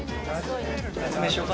説明しようか？